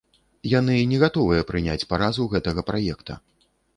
І яны не гатовыя прыняць паразу гэтага праекта.